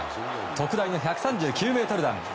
特大の１３９ｍ弾。